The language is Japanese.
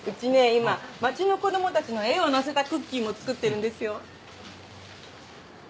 今町の子供たちの絵を載せたクッキーも作ってるんですよ。